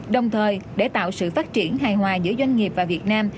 đồng thời để tạo sự phát triển hài hòa giữa doanh nghiệp và việt nam